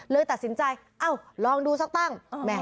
เลยตัดสินใจเอ้าลองดูสักตั้ง